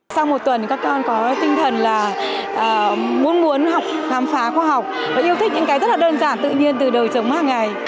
sau một tuần các con có tinh thần là muốn học khám phá khoa học và yêu thích những cái rất là đơn giản tự nhiên từ đời sống hàng ngày